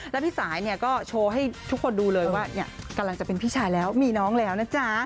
แล้วพี่สายเนี่ยก็โชว์ให้ทุกคนดูเลยว่ากำลังจะเป็นพี่ชายแล้วมีน้องแล้วนะจ๊ะ